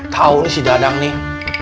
tau sih dadang nih